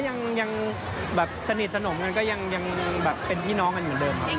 แต่ก็ยังสนิทสนมกันก็ยังเป็นพี่น้องกันเหมือนเดิมครับ